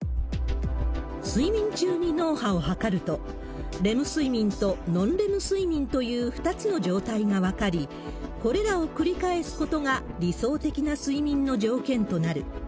睡眠中に脳波を測ると、レム睡眠とノンレム睡眠という２つの状態が分かり、これらを繰り返すことが理想的な睡眠の条件となる。